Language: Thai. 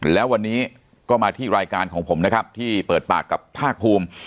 แล้ววันนี้ก็มาที่รายการของผมนะครับที่เปิดปากกับภาคภูมิ